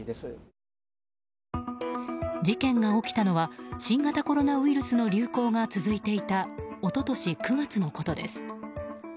事件が起きたのは新型コロナウイルスの流行が続いていた一昨年９月のことです。